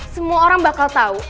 semua orang bakal tau